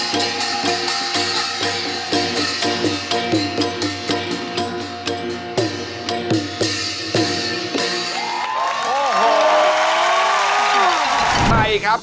ขอบคุณครับ